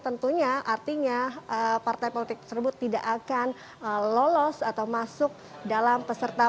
tentunya artinya partai politik tersebut tidak akan lolos atau masuk dalam peserta